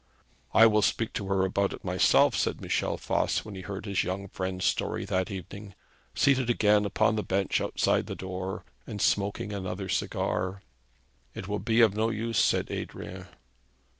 'I will speak to her about it myself,' said Michel Voss, when he heard his young friend's story that evening, seated again upon the bench outside the door, and smoking another cigar. 'It will be of no use,' said Adrian.